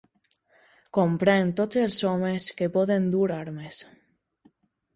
Comprèn tots els homes que poden dur armes.